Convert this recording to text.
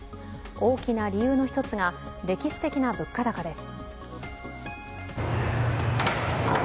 大きな理由の一つが歴史的な物価高です。